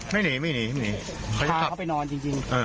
ไม่หนีไม่หนีไม่หนีเขาพาเขาไปนอนจริง